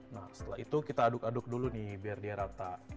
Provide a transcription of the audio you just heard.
nah setelah itu kita aduk aduk dulu nih biar dia rata